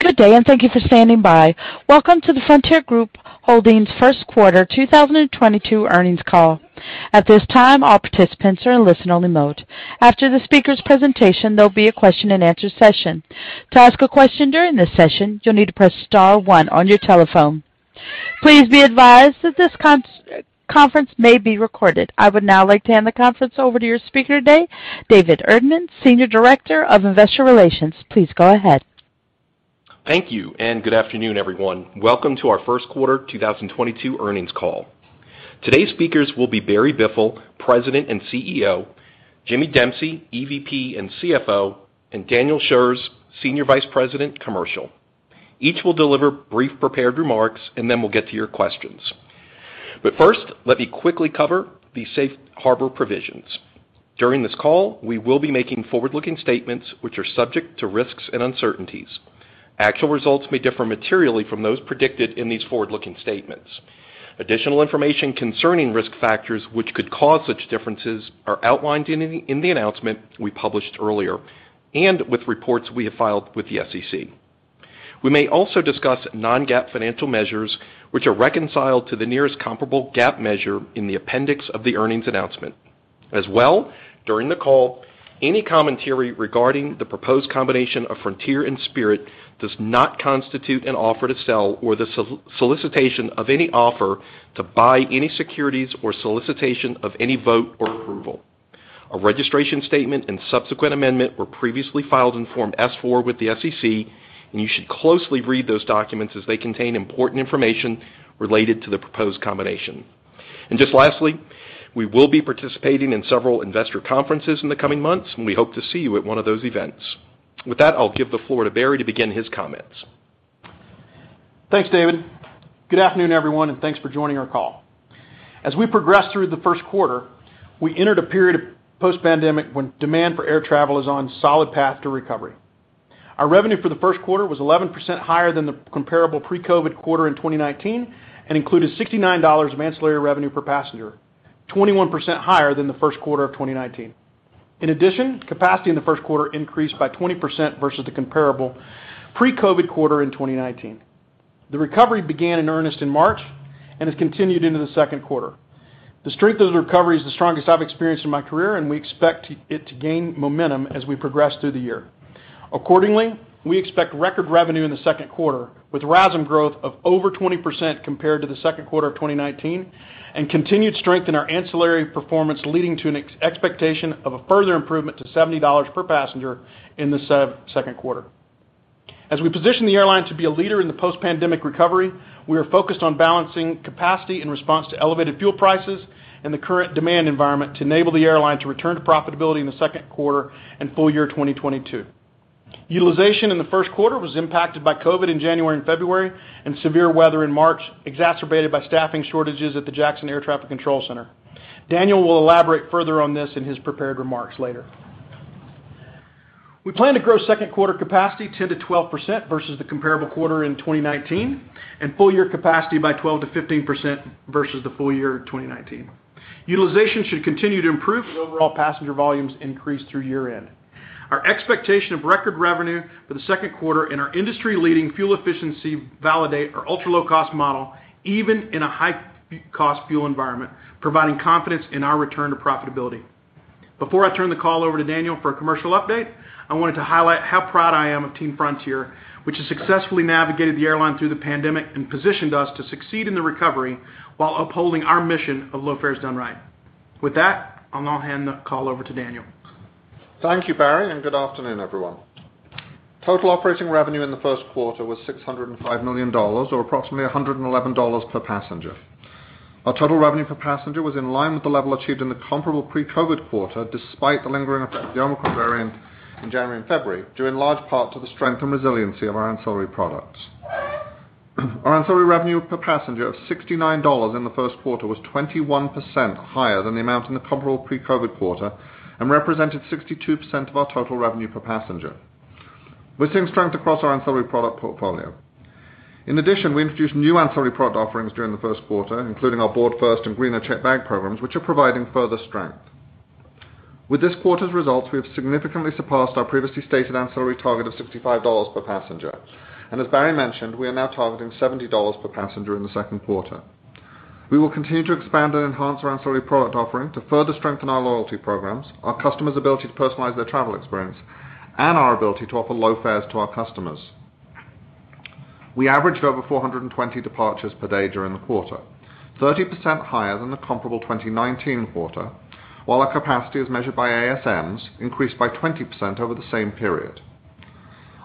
Good day, and thank you for standing by. Welcome to the Frontier Group Holdings First Quarter 2022 earnings call. At this time, all participants are in listen only mode. After the speaker's presentation, there'll be a question-and-answer session. To ask a question during this session, you'll need to press star one on your telephone. Please be advised that this conference may be recorded. I would now like to hand the conference over to your speaker today, David Erdman, Senior Director of Investor Relations. Please go ahead. Thank you, and good afternoon, everyone. Welcome to our first quarter 2022 earnings call. Today's speakers will be Barry Biffle, President and CEO, Jimmy Dempsey, EVP and CFO, and Daniel Shurz, Senior Vice President, Commercial. Each will deliver brief prepared remarks, and then we'll get to your questions. First, let me quickly cover the safe harbor provisions. During this call, we will be making forward-looking statements which are subject to risks and uncertainties. Actual results may differ materially from those predicted in these forward-looking statements. Additional information concerning risk factors which could cause such differences are outlined in the announcement we published earlier and with reports we have filed with the SEC. We may also discuss non-GAAP financial measures which are reconciled to the nearest comparable GAAP measure in the appendix of the earnings announcement. As well, during the call, any commentary regarding the proposed combination of Frontier and Spirit does not constitute an offer to sell or the solicitation of any offer to buy any securities or solicitation of any vote or approval. A registration statement and subsequent amendment were previously filed in Form S-4 with the SEC, and you should closely read those documents as they contain important information related to the proposed combination. Just lastly, we will be participating in several investor conferences in the coming months, and we hope to see you at one of those events. With that, I'll give the floor to Barry to begin his comments. Thanks, David. Good afternoon, everyone, and thanks for joining our call. As we progress through the first quarter, we entered a period of post-pandemic when demand for air travel is on solid path to recovery. Our revenue for the first quarter was 11% higher than the comparable pre-COVID quarter in 2019 and included $69 of ancillary revenue per passenger, 21% higher than the first quarter of 2019. In addition, capacity in the first quarter increased by 20% versus the comparable pre-COVID quarter in 2019. The recovery began in earnest in March and has continued into the second quarter. The strength of the recovery is the strongest I've experienced in my career, and we expect it to gain momentum as we progress through the year. Accordingly, we expect record revenue in the second quarter, with RASM growth of over 20% compared to the second quarter of 2019 and continued strength in our ancillary performance, leading to an expectation of a further improvement to $70 per passenger in the second quarter. As we position the airline to be a leader in the post-pandemic recovery, we are focused on balancing capacity in response to elevated fuel prices and the current demand environment to enable the airline to return to profitability in the second quarter and full year 2022. Utilization in the first quarter was impacted by COVID in January and February and severe weather in March, exacerbated by staffing shortages at the Jacksonville Air Traffic Control Center. Daniel will elaborate further on this in his prepared remarks later. We plan to grow second quarter capacity 10%-12% versus the comparable quarter in 2019 and full year capacity by 12%-15% versus the full year 2019. Utilization should continue to improve as overall passenger volumes increase through year-end. Our expectation of record revenue for the second quarter and our industry-leading fuel efficiency validate our ultra-low-cost model, even in a high-cost fuel environment, providing confidence in our return to profitability. Before I turn the call over to Daniel for a commercial update, I wanted to highlight how proud I am of Team Frontier, which has successfully navigated the airline through the pandemic and positioned us to succeed in the recovery while upholding our mission of low fares done right. With that, I'll now hand the call over to Daniel. Thank you, Barry, and good afternoon, everyone. Total operating revenue in the first quarter was $605 million or approximately $111 per passenger. Our total revenue per passenger was in line with the level achieved in the comparable pre-COVID quarter, despite the lingering effect of the Omicron variant in January and February, due in large part to the strength and resiliency of our ancillary products. Our ancillary revenue per passenger of $69 in the first quarter was 21% higher than the amount in the comparable pre-COVID quarter and represented 62% of our total revenue per passenger. We're seeing strength across our ancillary product portfolio. In addition, we introduced new ancillary product offerings during the first quarter, including our Board First and Greener Checked Bag programs, which are providing further strength. With this quarter's results, we have significantly surpassed our previously stated ancillary target of $65 per passenger. As Barry mentioned, we are now targeting $70 per passenger in the second quarter. We will continue to expand and enhance our ancillary product offering to further strengthen our loyalty programs, our customers' ability to personalize their travel experience, and our ability to offer low fares to our customers. We averaged over 420 departures per day during the quarter, 30% higher than the comparable 2019 quarter, while our capacity as measured by ASMs increased by 20% over the same period.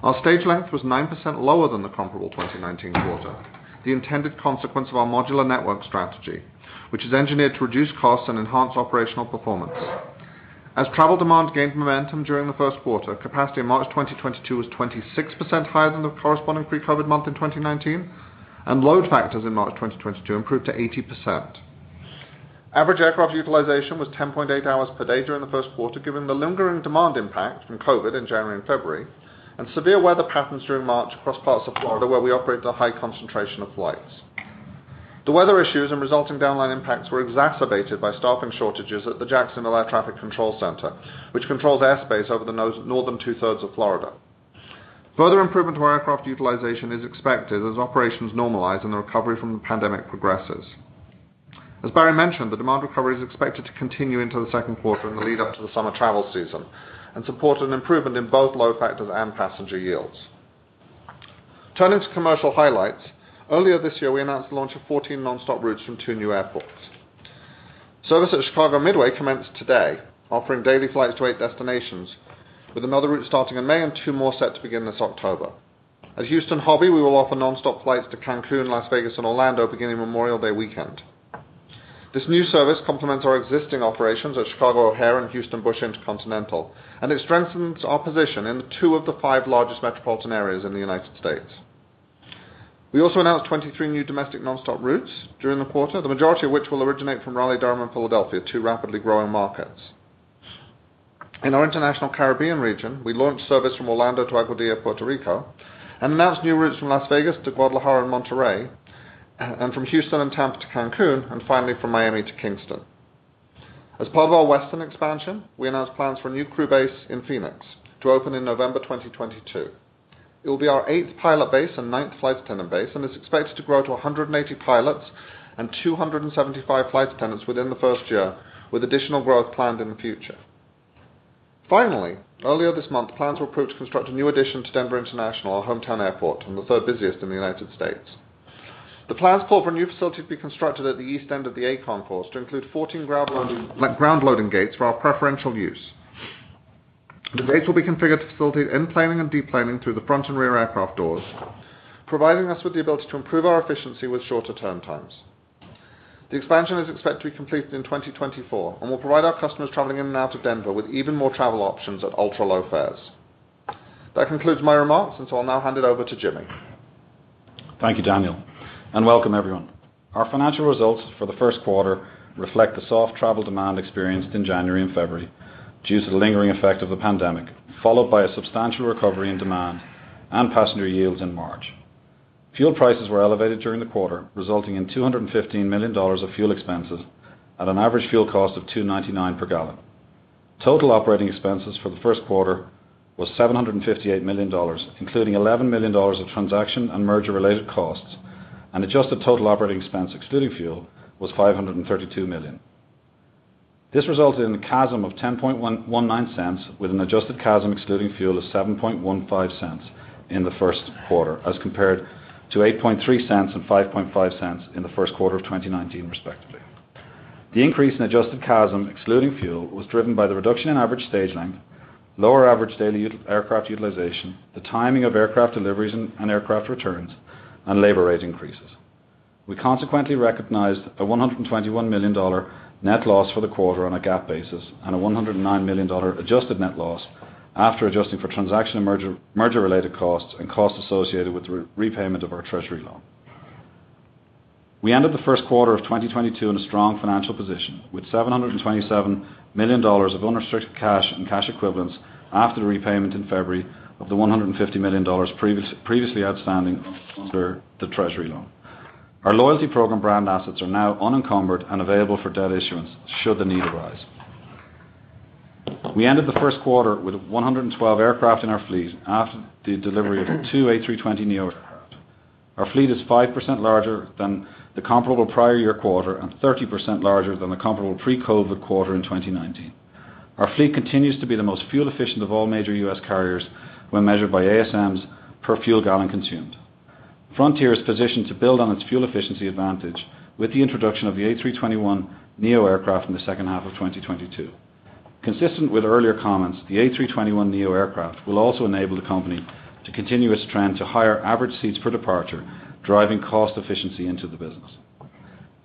Our stage length was 9% lower than the comparable 2019 quarter, the intended consequence of our modular network strategy, which is engineered to reduce costs and enhance operational performance. As travel demand gained momentum during the first quarter, capacity in March 2022 was 26% higher than the corresponding pre-COVID month in 2019, and load factors in March 2022 improved to 80%. Average aircraft utilization was 10.8 hours per day during the first quarter, given the lingering demand impact from COVID in January and February and severe weather patterns during March across parts of Florida, where we operate a high concentration of flights. The weather issues and resulting downline impacts were exacerbated by staffing shortages at the Jacksonville Air Traffic Control Center, which controls airspace over the north, northern two-thirds of Florida. Further improvement to aircraft utilization is expected as operations normalize and the recovery from the pandemic progresses. As Barry mentioned, the demand recovery is expected to continue into the second quarter in the lead up to the summer travel season and support an improvement in both load factors and passenger yields. Turning to commercial highlights. Earlier this year, we announced the launch of 14 nonstop routes from two new airports. Service at Chicago Midway commenced today, offering daily flights to eight destinations, with another route starting in May and two more set to begin this October. At Houston Hobby, we will offer nonstop flights to Cancún, Las Vegas, and Orlando beginning Memorial Day weekend. This new service complements our existing operations at Chicago O'Hare and Houston George Bush Intercontinental, and it strengthens our position in two of the five largest metropolitan areas in the United States. We also announced 23 new domestic nonstop routes during the quarter, the majority of which will originate from Raleigh-Durham and Philadelphia, two rapidly growing markets. In our international Caribbean region, we launched service from Orlando to Aguadilla, Puerto Rico, and announced new routes from Las Vegas to Guadalajara and Monterrey, and from Houston and Tampa to Cancún, and finally from Miami to Kingston. As part of our Western expansion, we announced plans for a new crew base in Phoenix to open in November 2022. It will be our eighth pilot base and ninth flight attendant base, and is expected to grow to 180 pilots and 275 flight attendants within the first year, with additional growth planned in the future. Finally, earlier this month, plans were approved to construct a new addition to Denver International, our hometown airport and the third busiest in the United States. The plans call for a new facility to be constructed at the east end of the A concourse to include 14 ground loading gates for our preferential use. The gates will be configured to facilitate enplaning and deplaning through the front and rear aircraft doors, providing us with the ability to improve our efficiency with shorter turn times. The expansion is expected to be completed in 2024 and will provide our customers traveling in and out of Denver with even more travel options at ultra-low fares. That concludes my remarks, and so I'll now hand it over to Jimmy. Thank you, Daniel, and welcome everyone. Our financial results for the first quarter reflect the soft travel demand experienced in January and February due to the lingering effect of the pandemic, followed by a substantial recovery in demand and passenger yields in March. Fuel prices were elevated during the quarter, resulting in $215 million of fuel expenses at an average fuel cost of $2.99 per gallon. Total operating expenses for the first quarter was $758 million, including $11 million of transaction and merger-related costs, and adjusted total operating expense excluding fuel was $532 million. This resulted in a CASM of 10.19 cents with an adjusted CASM excluding fuel of 7.15 cents in the first quarter, as compared to 8.3 cents and 5.5 cents in the first quarter of 2019 respectively. The increase in adjusted CASM excluding fuel was driven by the reduction in average stage length, lower average daily aircraft utilization, the timing of aircraft deliveries and aircraft returns, and labor rate increases. We consequently recognized a $121 million net loss for the quarter on a GAAP basis and a $109 million adjusted net loss after adjusting for transaction and merger-related costs and costs associated with the repayment of our treasury loan. We ended the first quarter of 2022 in a strong financial position with $727 million of unrestricted cash and cash equivalents after the repayment in February of the $150 million previously outstanding under the treasury loan. Our loyalty program brand assets are now unencumbered and available for debt issuance should the need arise. We ended the first quarter with 112 aircraft in our fleet after the delivery of 2 A320neo aircraft. Our fleet is 5% larger than the comparable prior year quarter and 30% larger than the comparable pre-COVID quarter in 2019. Our fleet continues to be the most fuel efficient of all major U.S. carriers when measured by ASMs per fuel gallon consumed. Frontier is positioned to build on its fuel efficiency advantage with the introduction of the A321neo aircraft in the second half of 2022. Consistent with earlier comments, the A321neo aircraft will also enable the company to continue its trend to higher average seats per departure, driving cost efficiency into the business.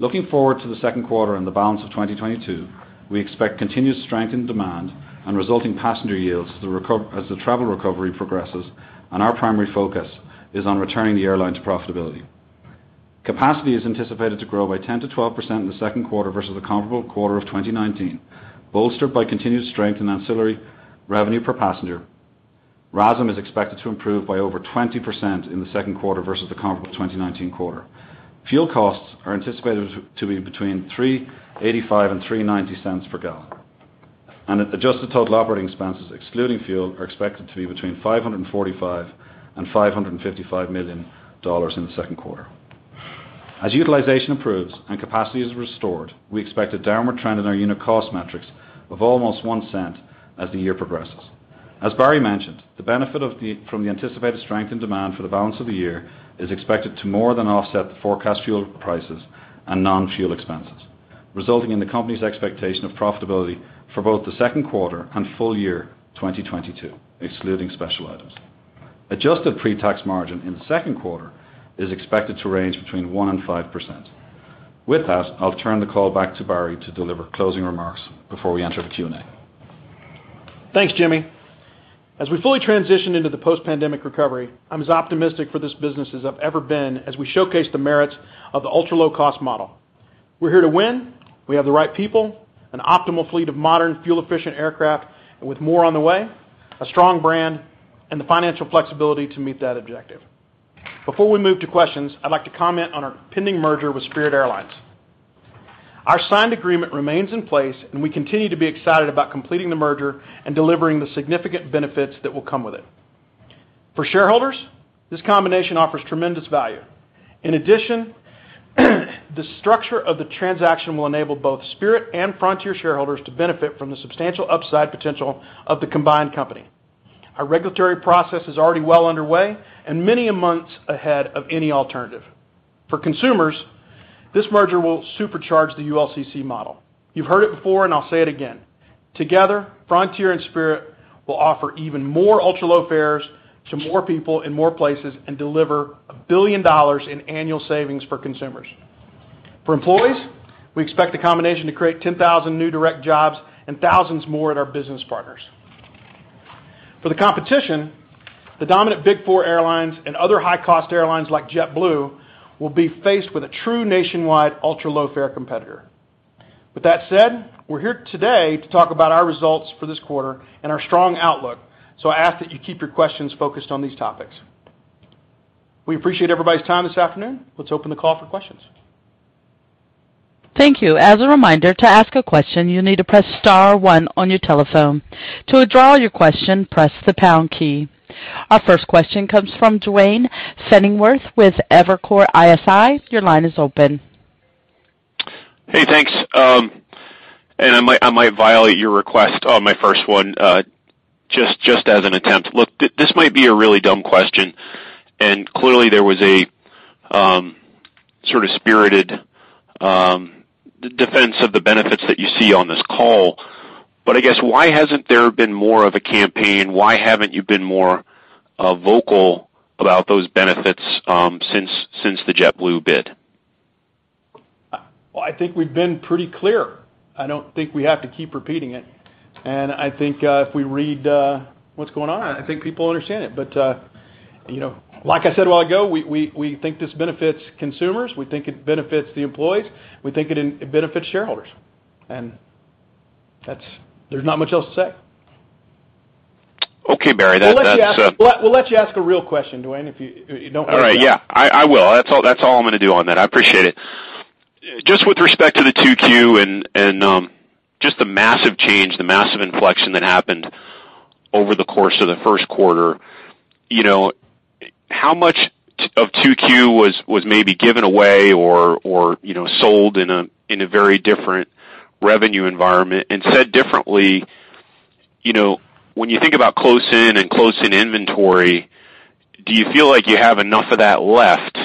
Looking forward to the second quarter and the balance of 2022, we expect continued strength in demand and resulting passenger yields as the travel recovery progresses and our primary focus is on returning the airline to profitability. Capacity is anticipated to grow by 10%-12% in the second quarter versus the comparable quarter of 2019. Bolstered by continued strength in ancillary revenue per passenger, RASM is expected to improve by over 20% in the second quarter versus the comparable 2019 quarter. Fuel costs are anticipated to be between $3.85 and $3.90 per gallon. Adjusted total operating expenses excluding fuel are expected to be between $545 million and $555 million in the second quarter. As utilization improves and capacity is restored, we expect a downward trend in our unit cost metrics of almost one cent as the year progresses. As Barry mentioned, the benefit from the anticipated strength and demand for the balance of the year is expected to more than offset the forecast fuel prices and non-fuel expenses, resulting in the company's expectation of profitability for both the second quarter and full year 2022, excluding special items. Adjusted pre-tax margin in the second quarter is expected to range between 1% and 5%. With that, I'll turn the call back to Barry to deliver closing remarks before we enter the Q&A. Thanks, Jimmy. As we fully transition into the post-pandemic recovery, I'm as optimistic for this business as I've ever been as we showcase the merits of the ultra-low-cost model. We're here to win. We have the right people, an optimal fleet of modern, fuel-efficient aircraft, and with more on the way, a strong brand and the financial flexibility to meet that objective. Before we move to questions, I'd like to comment on our pending merger with Spirit Airlines. Our signed agreement remains in place, and we continue to be excited about completing the merger and delivering the significant benefits that will come with it. For shareholders, this combination offers tremendous value. In addition, the structure of the transaction will enable both Spirit and Frontier shareholders to benefit from the substantial upside potential of the combined company. Our regulatory process is already well underway and many months ahead of any alternative. For consumers, this merger will supercharge the ULCC model. You've heard it before, and I'll say it again. Together, Frontier and Spirit will offer even more ultra-low fares to more people in more places and deliver $1 billion in annual savings for consumers. For employees, we expect the combination to create 10,000 new direct jobs and thousands more at our business partners. For the competition, the dominant big four airlines and other high-cost airlines like JetBlue will be faced with a true nationwide ultra-low fare competitor. With that said, we're here today to talk about our results for this quarter and our strong outlook. I ask that you keep your questions focused on these topics. We appreciate everybody's time this afternoon. Let's open the call for questions. Thank you. As a reminder, to ask a question, you need to press star one on your telephone. To withdraw your question, press the pound key. Our first question comes from Duane Pfennigwerth with Evercore ISI. Your line is open. Hey, thanks. I might violate your request on my first one, just as an attempt. Look, this might be a really dumb question, and clearly, there was a sort of spirited defense of the benefits that you see on this call. I guess why hasn't there been more of a campaign? Why haven't you been more vocal about those benefits, since the JetBlue bid? Well, I think we've been pretty clear. I don't think we have to keep repeating it. I think, if we read what's going on, I think people understand it. You know, like I said a while ago, we think this benefits consumers, we think it benefits the employees, we think it benefits shareholders. That's. There's not much else to say. Okay, Barry. That's. We'll let you ask a real question, Duane, if you don't mind. All right. Yeah. I will. That's all I'm gonna do on that. I appreciate it. Just with respect to 2Q and just the massive change, the massive inflection that happened over the course of the first quarter, you know, how much of 2Q was maybe given away or sold in a very different revenue environment? Said differently, you know, when you think about close-in inventory, do you feel like you have enough of that left,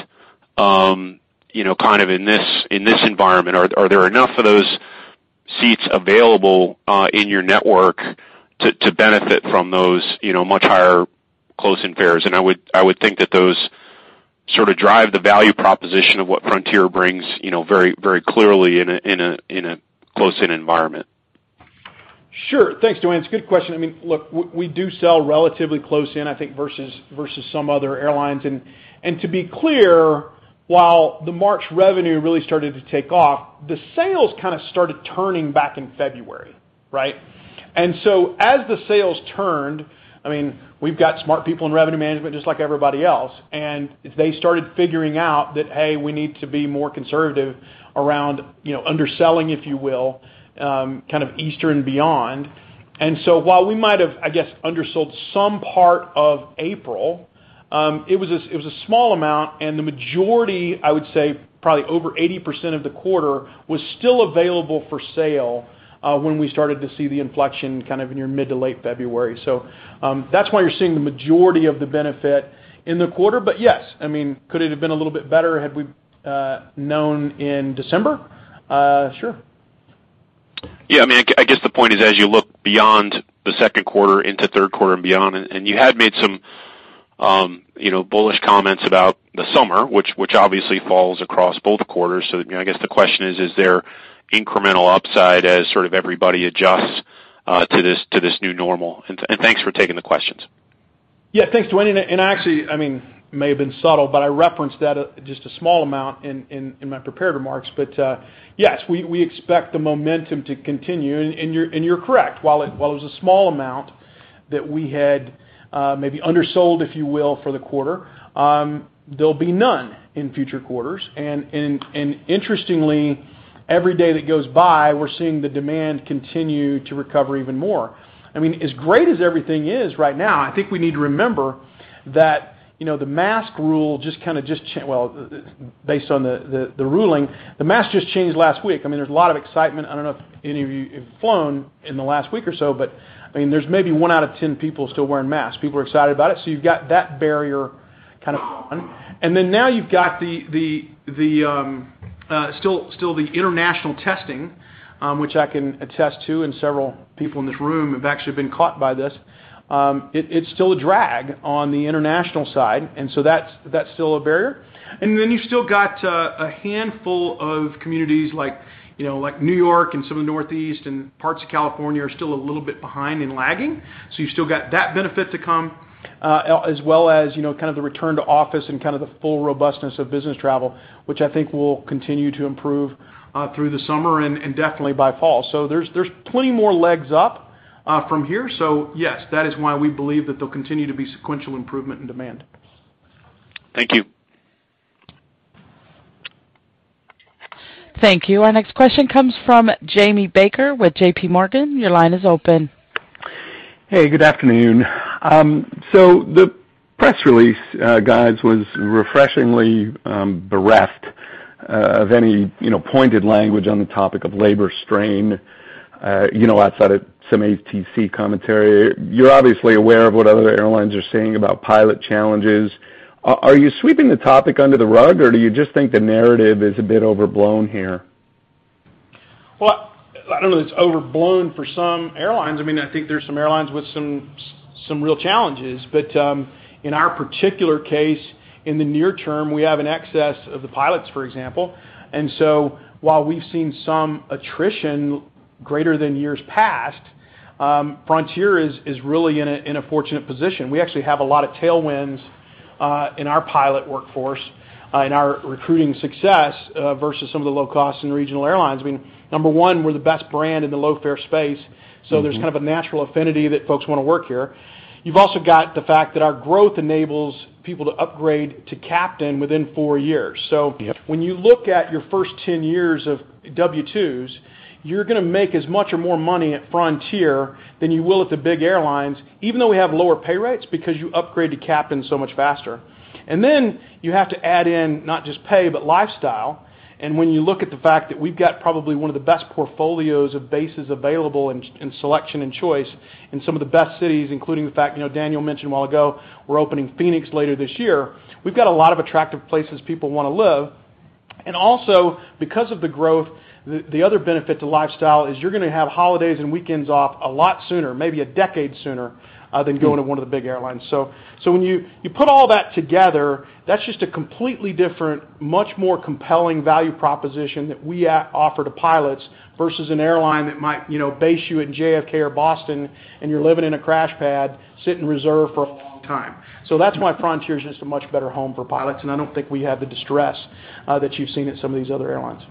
you know, kind of in this environment? Are there enough of those seats available in your network to benefit from those, you know, much higher close-in fares? I would think that those sort of drive the value proposition of what Frontier brings, you know, very, very clearly in a close-in environment. Sure. Thanks, Duane. It's a good question. I mean, look, we do sell relatively close in, I think, versus some other airlines. To be clear, while the March revenue really started to take off, the sales kind of started turning back in February, right? As the sales turned, I mean, we've got smart people in revenue management just like everybody else, and they started figuring out that, hey, we need to be more conservative around, you know, underselling, if you will, kind of Easter and beyond. While we might have, I guess, undersold some part of April, it was a small amount, and the majority, I would say, probably over 80% of the quarter was still available for sale when we started to see the inflection kind of in mid to late February. That's why you're seeing the majority of the benefit in the quarter. Yes, I mean, could it have been a little bit better had we known in December? Sure. Yeah, I mean, I guess the point is as you look beyond the second quarter into third quarter and beyond, and you had made some, you know, bullish comments about the summer, which obviously falls across both quarters. You know, I guess the question is there incremental upside as sort of everybody adjusts, to this, to this new normal? Thanks for taking the questions. Yeah, thanks, Duane. Actually, I mean, it may have been subtle, but I referenced that just a small amount in my prepared remarks. Yes, we expect the momentum to continue. You're correct. While it was a small amount that we had maybe undersold, if you will, for the quarter, there'll be none in future quarters. Interestingly, every day that goes by, we're seeing the demand continue to recover even more. I mean, as great as everything is right now, I think we need to remember that, you know, the mask rule, well, based on the ruling, the mask just changed last week. I mean, there's a lot of excitement. I don't know if any of you have flown in the last week or so, but I mean, there's maybe one out of 10 people still wearing masks. People are excited about it, so you've got that barrier kind of gone. Now you've got still the international testing, which I can attest to, and several people in this room have actually been caught by this. It's still a drag on the international side, and so that's still a barrier. You've still got a handful of communities like, you know, like New York and some of the Northeast and parts of California are still a little bit behind in lagging. You've still got that benefit to come, as well as, you know, kind of the return to office and kind of the full robustness of business travel, which I think will continue to improve, through the summer and definitely by fall. There's plenty more legs up, from here. Yes, that is why we believe that there'll continue to be sequential improvement in demand. Thank you. Thank you. Our next question comes from Jamie Baker with JPMorgan. Your line is open. Hey, good afternoon. The press release, guys, was refreshingly bereft of any, you know, pointed language on the topic of labor strain, you know, outside of some ATC commentary. You're obviously aware of what other airlines are saying about pilot challenges. Are you sweeping the topic under the rug, or do you just think the narrative is a bit overblown here? Well, I don't know if it's overblown for some airlines. I mean, I think there's some airlines with some real challenges. In our particular case, in the near term, we have an excess of the pilots, for example. While we've seen some attrition greater than years past, Frontier is really in a fortunate position. We actually have a lot of tailwinds in our pilot workforce in our recruiting success versus some of the low-cost and regional airlines. I mean, number one, we're the best brand in the low fare space. Mm-hmm. There's kind of a natural affinity that folks wanna work here. You've also got the fact that our growth enables people to upgrade to captain within four years. Yep. When you look at your first 10 years of W-2s, you're gonna make as much or more money at Frontier than you will at the big airlines, even though we have lower pay rates, because you upgrade to captain so much faster. Then you have to add in not just pay, but lifestyle. When you look at the fact that we've got probably one of the best portfolios of bases available in selection and choice in some of the best cities, including the fact, you know, Daniel mentioned a while ago, we're opening Phoenix later this year. We've got a lot of attractive places people wanna live. Also because of the growth, the other benefit to lifestyle is you're gonna have holidays and weekends off a lot sooner, maybe a decade sooner, than going to one of the big airlines. When you put all that together, that's just a completely different, much more compelling value proposition that we offer to pilots versus an airline that might, you know, base you in JFK or Boston, and you're living in a crash pad, sit in reserve for a long time. That's why Frontier is just a much better home for pilots, and I don't think we have the distress that you've seen at some of these other airlines.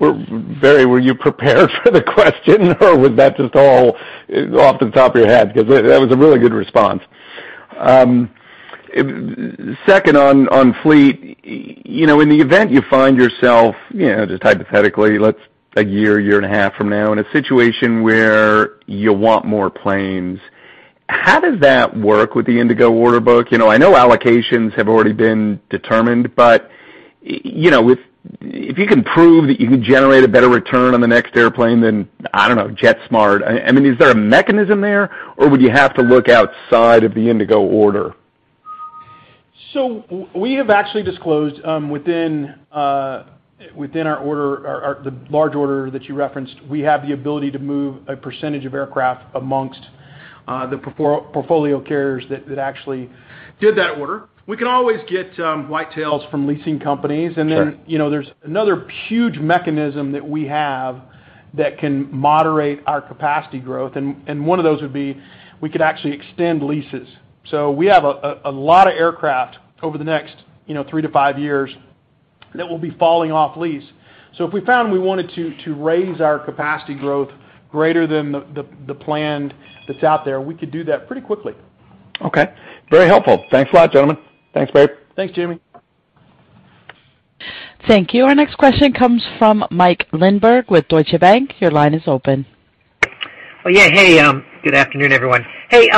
Barry, were you prepared for the question or was that just all off the top of your head? 'Cause that was a really good response. Second on fleet. You know, in the event you find yourself, you know, just hypothetically, let's say a year and a half from now, in a situation where you want more planes, how does that work with the Indigo order book? You know, I know allocations have already been determined, but, you know, if you can prove that you can generate a better return on the next airplane than, I don't know, JetSMART, I mean, is there a mechanism there, or would you have to look outside of the Indigo order? We have actually disclosed within our order, the large order that you referenced, we have the ability to move a percentage of aircraft amongst the portfolio carriers that actually did that order. We can always get white tails from leasing companies. Sure. Then, you know, there's another huge mechanism that we have that can moderate our capacity growth. One of those would be, we could actually extend leases. We have a lot of aircraft over the next, you know, three to five years that will be falling off lease. If we found we wanted to raise our capacity growth greater than the planned that's out there, we could do that pretty quickly. Okay. Very helpful. Thanks a lot, gentlemen. Thanks, Barry. Thanks, Jamie. Thank you. Our next question comes from Mike Linenberg with Deutsche Bank. Your line is open. Oh, yeah. Hey, good afternoon, everyone. Hey,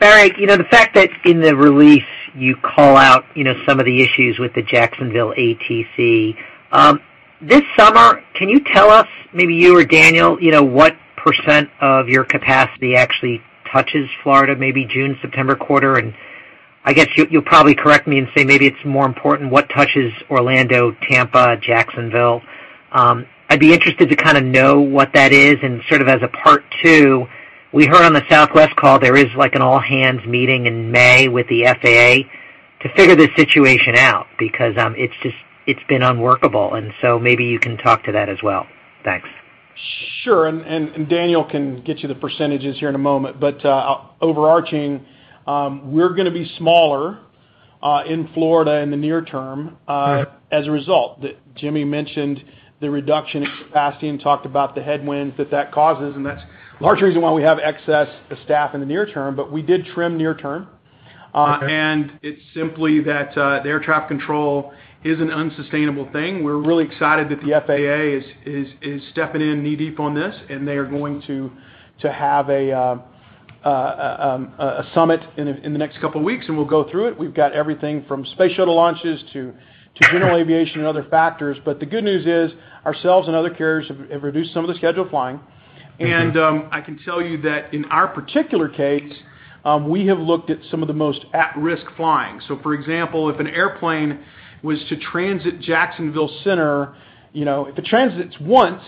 Barry, you know, the fact that in the release you call out, you know, some of the issues with the Jacksonville ATC. This summer, can you tell us, maybe you or Daniel, you know, what percent of your capacity actually touches Florida, maybe June, September quarter? And I guess you'll probably correct me and say maybe it's more important what touches Orlando, Tampa, Jacksonville. I'd be interested to kinda know what that is. And sort of as a part two, we heard on the Southwest call there is like an all hands meeting in May with the FAA to figure this situation out because, it's just, it's been unworkable, and so maybe you can talk to that as well. Thanks. Sure. Daniel can get you the percentages here in a moment. Overarching, we're gonna be smaller in Florida in the near term. Mm-hmm As a result. Jimmy mentioned the reduction in capacity and talked about the headwinds that causes, and that's a large reason why we have excess staff in the near term, but we did trim near term. Okay. It's simply that the air traffic control is an unsustainable thing. We're really excited that the FAA is stepping in knee-deep on this, and they are going to have a summit in the next couple of weeks, and we'll go through it. We've got everything from space shuttle launches to general aviation and other factors. The good news is ourselves and other carriers have reduced some of the scheduled flying. Mm-hmm. I can tell you that in our particular case, we have looked at some of the most at-risk flying. For example, if an airplane was to transit Jacksonville Center, you know, if it transits once,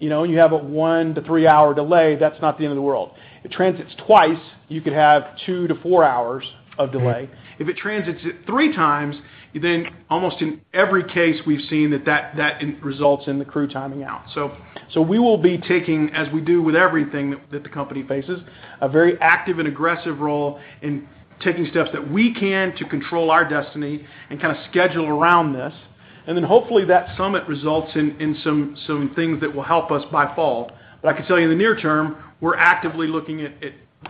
you know, you have a one- to three-hour delay, that's not the end of the world. It transits twice, you could have two to four hours of delay. If it transits it three times, then almost in every case, we've seen that that results in the crew timing out. We will be taking, as we do with everything that the company faces, a very active and aggressive role in taking steps that we can to control our destiny and kind of schedule around this. Hopefully that summit results in some things that will help us by fall. I can tell you in the near term, we're actively looking at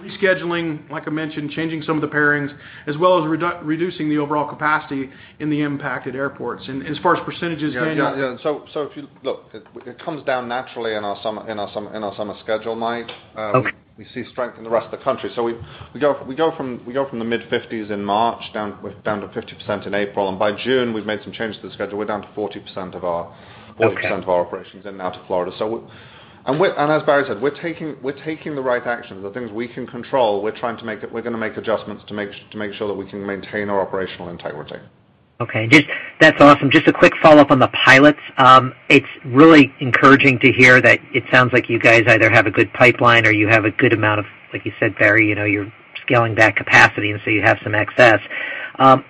rescheduling, like I mentioned, changing some of the pairings, as well as reducing the overall capacity in the impacted airports. As far as percentages, Daniel? Yeah, yeah. Look, it comes down naturally in our summer schedule, Mike. Okay. We see strength in the rest of the country. So we go from the mid-50s% in March down to 50% in April. By June, we've made some changes to the schedule. We're down to 40% of our operations in and out of Florida. As Barry said, we're taking the right actions. The things we can control, we're gonna make adjustments to make sure that we can maintain our operational integrity. Okay. That's awesome. Just a quick follow-up on the pilots. It's really encouraging to hear that it sounds like you guys either have a good pipeline or you have a good amount of, like you said, Barry, you know, you're scaling back capacity, and so you have some excess.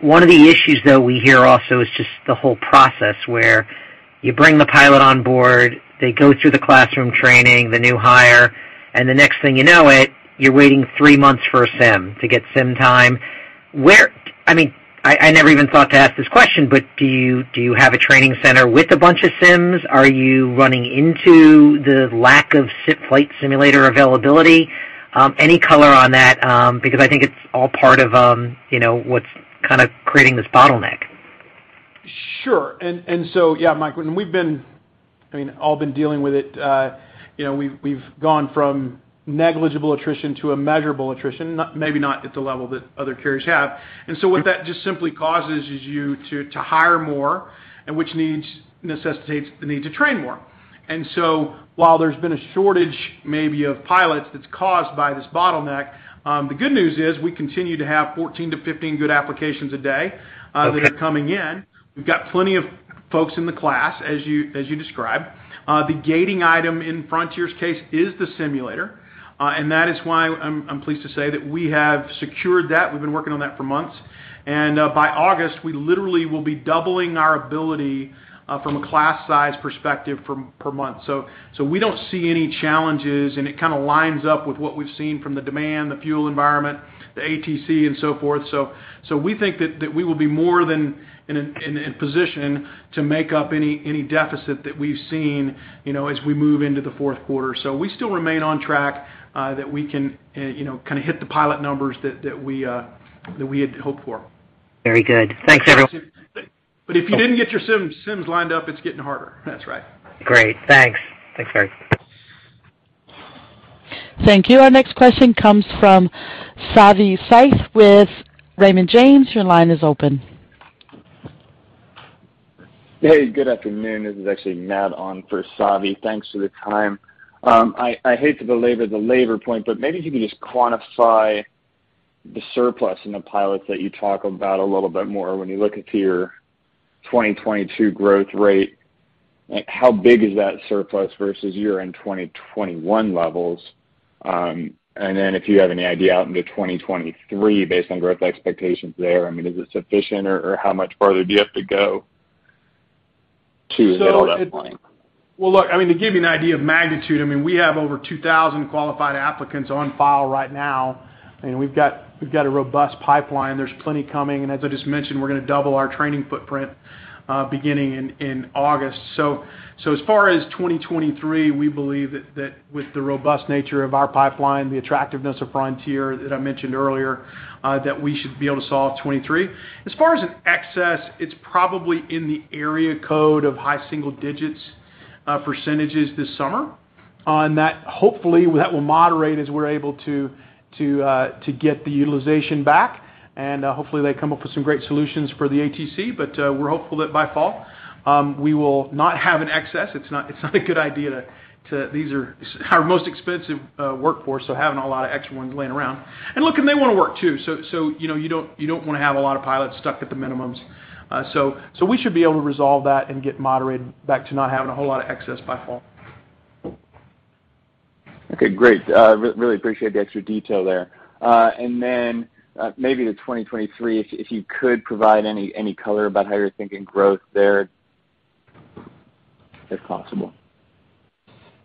One of the issues, though, we hear also is just the whole process where you bring the pilot on board, they go through the classroom training, the new hire, and the next thing you know it, you're waiting three months for a sim to get sim time. I mean, I never even thought to ask this question, but do you have a training center with a bunch of sims? Are you running into the lack of flight simulator availability? Any color on that? Because I think it's all part of you know, what's kinda creating this bottleneck. Sure. Yeah, Mike, we've been, I mean, all been dealing with it. You know, we've gone from negligible attrition to a measurable attrition, maybe not at the level that other carriers have. What that just simply causes is you to hire more, and which necessitates the need to train more. While there's been a shortage maybe of pilots that's caused by this bottleneck, the good news is we continue to have 14-15 good applications a day that are coming in. We've got plenty of folks in the class, as you described. The gating item in Frontier's case is the simulator, and that is why I'm pleased to say that we have secured that. We've been working on that for months. By August, we literally will be doubling our ability from a class size perspective per month. We don't see any challenges, and it kinda lines up with what we've seen from the demand, the fuel environment, the ATC, and so forth. We think that we will be more than in position to make up any deficit that we've seen, you know, as we move into the fourth quarter. We still remain on track that we can, you know, kinda hit the pilot numbers that we had hoped for. Very good. Thanks, everyone. If you didn't get your sims lined up, it's getting harder. That's right. Great. Thanks. Thanks, Barry. Thank you. Our next question comes from Savanthi Syth with Raymond James. Your line is open. Hey, good afternoon. This is actually Matt on for Savanthi. Thanks for the time. I hate to belabor the labor point, but maybe if you can just quantify the surplus in the pilots that you talk about a little bit more when you look into your 2022 growth rate. Like, how big is that surplus versus year-end 2021 levels? If you have any idea out into 2023 based on growth expectations there, I mean, is it sufficient or how much farther do you have to go to get to that point? Well, look, I mean, to give you an idea of magnitude, I mean, we have over 2,000 qualified applicants on file right now, and we've got a robust pipeline. There's plenty coming, and as I just mentioned, we're gonna double our training footprint beginning in August. As far as 2023, we believe that with the robust nature of our pipeline, the attractiveness of Frontier that I mentioned earlier, that we should be able to solve 2023. As far as in excess, it's probably in the area code of high single digits% this summer. On that, hopefully, that will moderate as we're able to get the utilization back. Hopefully, they come up with some great solutions for the ATC. We're hopeful that by fall, we will not have an excess. It's not a good idea. These are our most expensive workforce, so having a lot of extra ones laying around. They wanna work too, you know, you don't wanna have a lot of pilots stuck at the minimums. We should be able to resolve that and get moderated back to not having a whole lot of excess by fall. Okay, great. Really appreciate the extra detail there. Maybe to 2023, if you could provide any color about how you're thinking about growth there, if possible.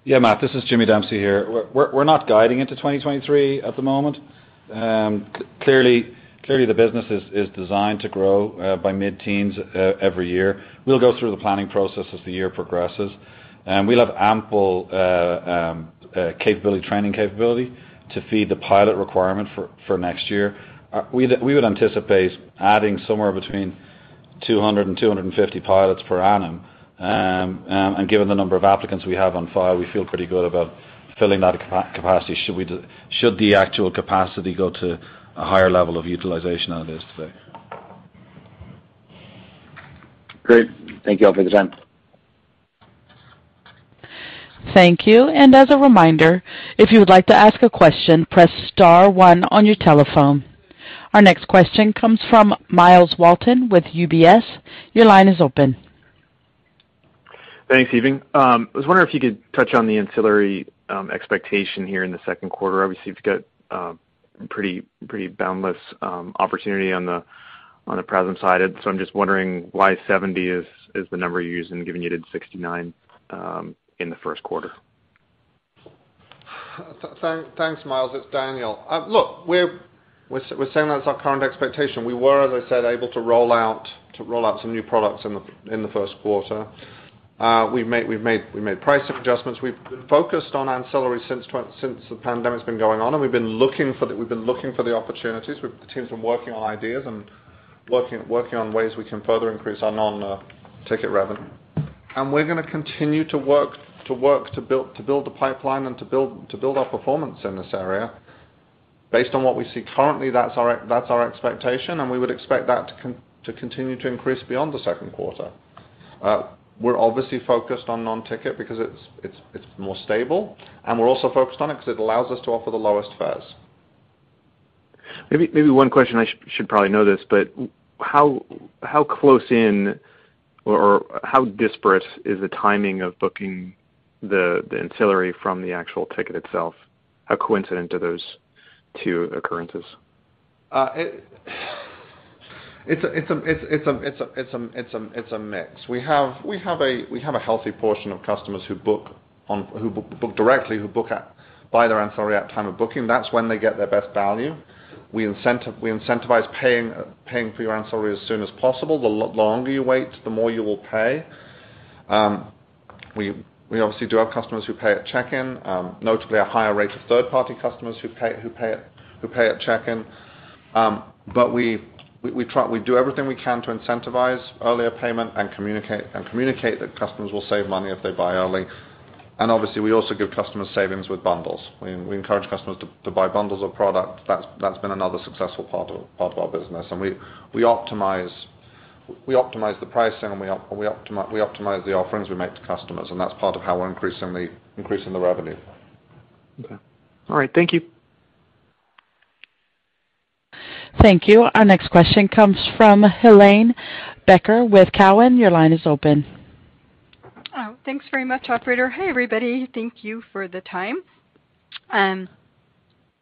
Yeah, Matt, this is Jimmy Dempsey here. We're not guiding into 2023 at the moment. Clearly the business is designed to grow by mid-teens% every year. We'll go through the planning process as the year progresses. We'll have ample training capability to feed the pilot requirement for next year. We would anticipate adding somewhere between 200 and 250 pilots per annum. Given the number of applicants we have on file, we feel pretty good about filling that capacity should the actual capacity go to a higher level of utilization than it is today. Great. Thank you all for the time. Thank you. As a reminder, if you would like to ask a question, press star one on your telephone. Our next question comes from Myles Walton with UBS. Your line is open. Thanks, everyone. I was wondering if you could touch on the ancillary expectation here in the second quarter. Obviously, you've got pretty boundless opportunity on the passenger side. I'm just wondering why $70 is the number you're using given you did $69 in the first quarter. Thanks, Myles. It's Daniel. Look, we're saying that's our current expectation. We were, as I said, able to roll out some new products in the first quarter. We've made pricing adjustments. We've been focused on ancillary since the pandemic's been going on, and we've been looking for the opportunities. The team's been working on ideas and working on ways we can further increase our non-ticket revenue. We're gonna continue to work to build a pipeline and to build our performance in this area. Based on what we see currently, that's our expectation, and we would expect that to continue to increase beyond the second quarter. We're obviously focused on non-ticket because it's more stable, and we're also focused on it 'cause it allows us to offer the lowest fares. Maybe one question, I should probably know this, but how close in or how disparate is the timing of booking the ancillary from the actual ticket itself? How coincident are those two occurrences? It's a mix. We have a healthy portion of customers who book directly, buy their ancillary at time of booking. That's when they get their best value. We incentivize paying for your ancillary as soon as possible. The longer you wait, the more you will pay. We obviously do have customers who pay at check-in, notably a higher rate of third-party customers who pay at check-in. We do everything we can to incentivize earlier payment and communicate that customers will save money if they buy early. Obviously, we also give customers savings with bundles. We encourage customers to buy bundles of product. That's been another successful part of our business. We optimize the pricing and we optimize the offerings we make to customers, and that's part of how we're increasing the revenue. Okay. All right. Thank you. Thank you. Our next question comes from Helane Becker with Cowen. Your line is open. Oh, thanks very much, operator. Hey, everybody. Thank you for the time. I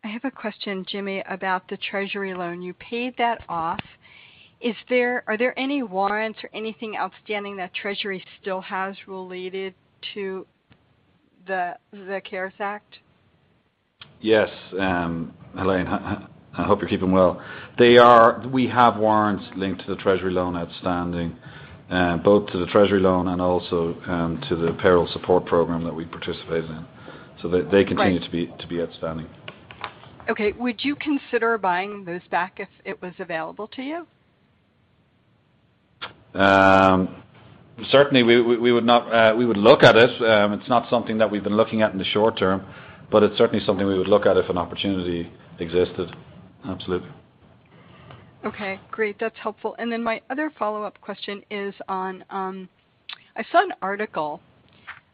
have a question, Jimmy, about the Treasury loan. You paid that off. Are there any warrants or anything outstanding that Treasury still has related to the CARES Act? Yes, Helane. Hi, I hope you're keeping well. We have warrants linked to the treasury loan outstanding, both to the treasury loan and also to the payroll support program that we participated in, so they- Right. They continue to be outstanding. Okay. Would you consider buying those back if it was available to you? Certainly we would look at it. It's not something that we've been looking at in the short term, but it's certainly something we would look at if an opportunity existed. Absolutely. Okay. Great. That's helpful. Then my other follow-up question is on, I saw an article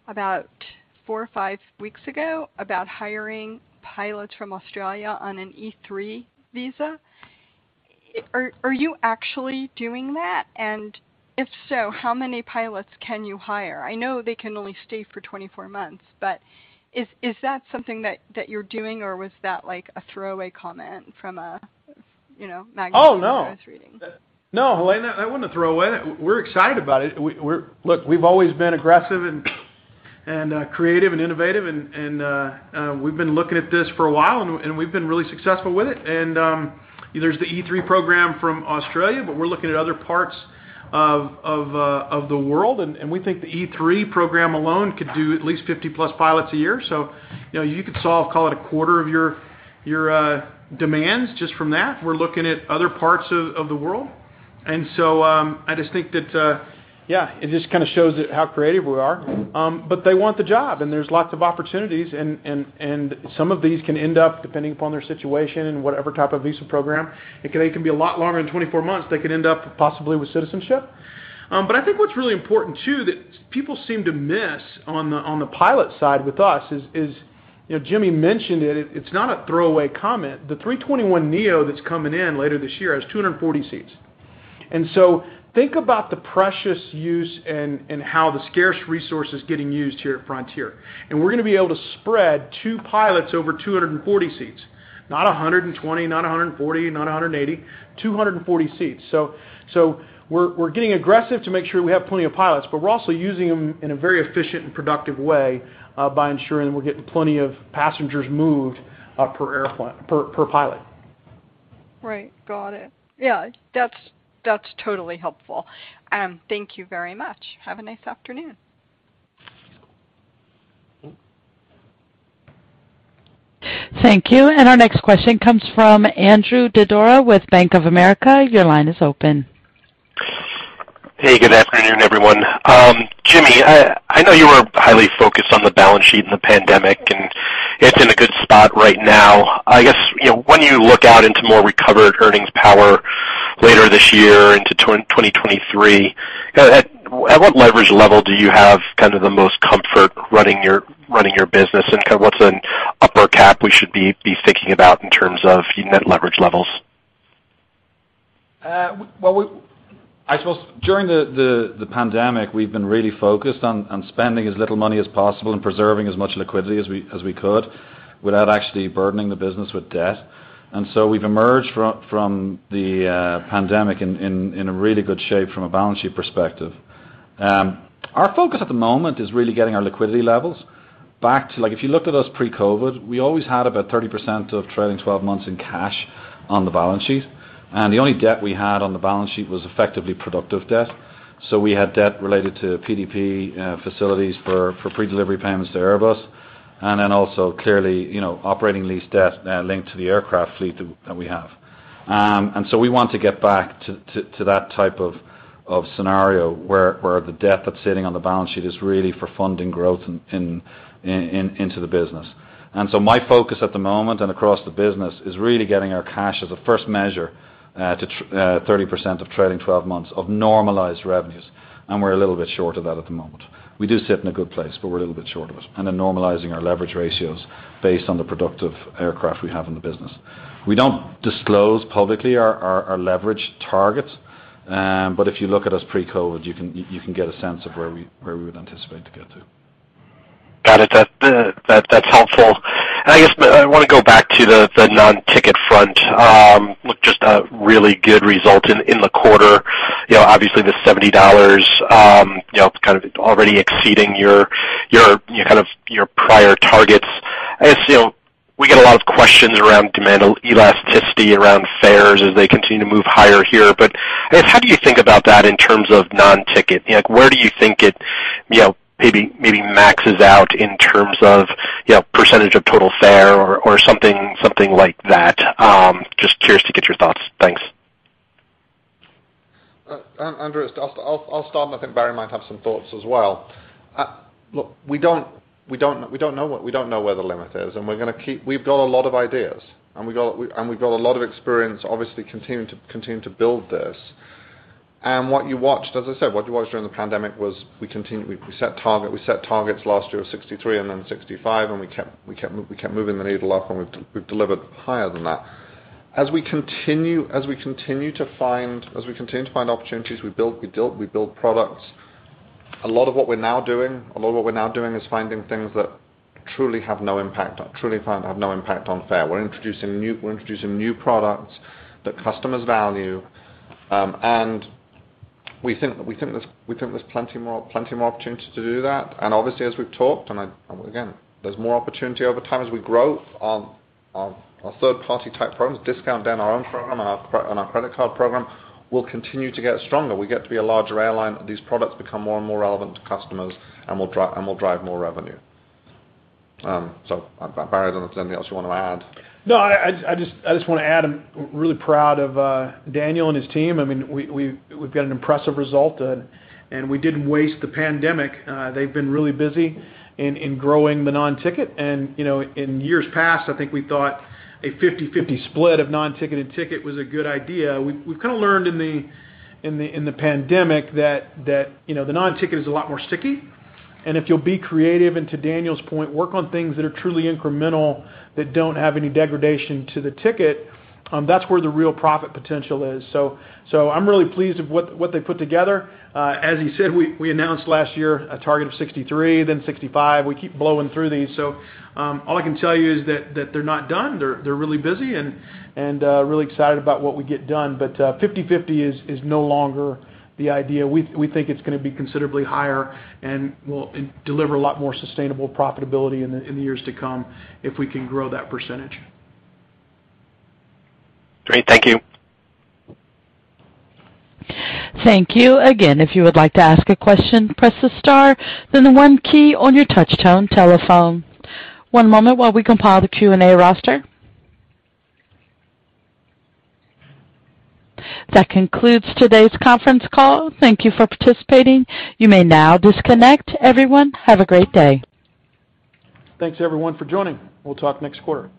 about four or five weeks ago about hiring pilots from Australia on an E-3 visa. Are you actually doing that? And if so, how many pilots can you hire? I know they can only stay for 24 months, but is that something that you're doing or was that, like, a throwaway comment from a, you know, magazine? Oh, no. I was reading? No, Helane, that wasn't a throwaway. We're excited about it. Look, we've always been aggressive and creative and innovative and we've been looking at this for a while and we've been really successful with it. There's the E-3 program from Australia, but we're looking at other parts of the world. We think the E-3 program alone could do at least 50-plus pilots a year. You know, you could solve, call it a quarter of your demands just from that. We're looking at other parts of the world. I just think that, yeah, it just kinda shows how creative we are. They want the job, and there's lots of opportunities and some of these can end up, depending upon their situation and whatever type of visa program, it can be a lot longer than 24 months. They could end up possibly with citizenship. I think what's really important too that people seem to miss on the pilot side with us is, you know, Jimmy mentioned it's not a throwaway comment. The A321neo that's coming in later this year has 240 seats. Think about the precious use and how the scarce resource is getting used here at Frontier. We're gonna be able to spread two pilots over 240 seats, not 120, not 140, not 180, 240 seats. We're getting aggressive to make sure we have plenty of pilots, but we're also using them in a very efficient and productive way by ensuring we're getting plenty of passengers moved per pilot. Right. Got it. Yeah. That's totally helpful. Thank you very much. Have a nice afternoon. Thank you. Our next question comes from Andrew Didora with Bank of America. Your line is open. Hey, good afternoon, everyone. Jimmy, I know you are highly focused on the balance sheet and the pandemic, and it's in a good spot right now. I guess, you know, when you look out into more recovered earnings power later this year into 2023, at what leverage level do you have kind of the most comfort running your business, and kind of what's an upper cap we should be thinking about in terms of net leverage levels? I suppose during the pandemic, we've been really focused on spending as little money as possible and preserving as much liquidity as we could without actually burdening the business with debt. We've emerged from the pandemic in a really good shape from a balance sheet perspective. Our focus at the moment is really getting our liquidity levels back to like if you looked at us pre-COVID, we always had about 30% of trailing twelve months in cash on the balance sheet, and the only debt we had on the balance sheet was effectively productive debt. We had debt related to PDP facilities for pre-delivery payments to Airbus, and then also clearly, you know, operating lease debt linked to the aircraft fleet that we have. We want to get back to that type of scenario where the debt that's sitting on the balance sheet is really for funding growth into the business. My focus at the moment and across the business is really getting our cash as a first measure to 30% of trailing 12 months of normalized revenues, and we're a little bit short of that at the moment. We do sit in a good place, but we're a little bit short of it, and then normalizing our leverage ratios based on the productive aircraft we have in the business. We don't disclose publicly our leverage targets, but if you look at us pre-COVID, you can get a sense of where we would anticipate to get to. Got it. That's helpful. I guess I wanna go back to the non-ticket front. Look, just a really good result in the quarter. You know, obviously the $70 kind of already exceeding your prior targets. I guess, you know, we get a lot of questions around demand elasticity around fares as they continue to move higher here. I guess how do you think about that in terms of non-ticket? Like, where do you think it maybe maxes out in terms of percentage of total fare or something like that. Just curious to get your thoughts. Thanks. Andrew, I'll start, and I think Barry might have some thoughts as well. Look, we don't know where the limit is, and we've got a lot of ideas, and we've got a lot of experience, obviously, continuing to build this. What you watched, as I said, during the pandemic was we set targets last year of 63 and then 65, and we kept moving the needle up, and we've delivered higher than that. As we continue to find opportunities, we build products. A lot of what we're now doing is finding things that truly have no impact on fare. We're introducing new products that customers value, and we think there's plenty more opportunities to do that. Obviously, as we've talked, again, there's more opportunity over time as we grow. Our third-party type programs discount down our own program and our credit card program will continue to get stronger. We get to be a larger airline, these products become more and more relevant to customers and will drive more revenue. Barry, I don't know if there's anything else you wanna add. No, I just wanna add, I'm really proud of Daniel and his team. I mean, we've got an impressive result, and we didn't waste the pandemic. They've been really busy in growing the non-ticket. You know, in years past, I think we thought a 50/50 split of non-ticket and ticket was a good idea. We've kinda learned in the pandemic that, you know, the non-ticket is a lot more sticky. If you'll be creative, and to Daniel's point, work on things that are truly incremental, that don't have any degradation to the ticket, that's where the real profit potential is. I'm really pleased with what they put together. As he said, we announced last year a target of 63%, then 65%. We keep blowing through these. All I can tell you is that they're not done. They're really busy and really excited about what we get done. 50/50 is no longer the idea. We think it's gonna be considerably higher and will deliver a lot more sustainable profitability in the years to come if we can grow that percentage. Great. Thank you. Thank you. Again, if you would like to ask a question, press the star, then the one key on your touch tone telephone. One moment while we compile the Q&A roster. That concludes today's conference call. Thank you for participating. You may now disconnect. Everyone, have a great day. Thanks everyone for joining. We'll talk next quarter.